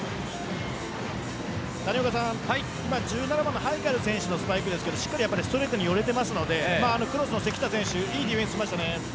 今、１７番のハイカル選手のスパイクですがしっかりストレートに寄れているのでクロスの関田選手はいいディフェンスできましたね。